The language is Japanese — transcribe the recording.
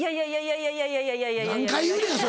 いやいやいやいやいやいや。